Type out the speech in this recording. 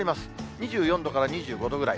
２４度から２５度ぐらい。